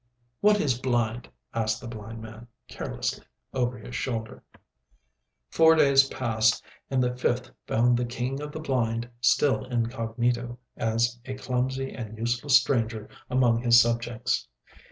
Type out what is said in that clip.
'" "What is blind?" asked the blind man, carelessly, over his shoulder. Four days passed and the fifth found the King of the Blind still incognito, as a clumsy and useless stranger among his subjects.